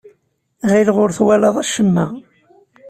Ɣileɣ ur twalaḍ acemma.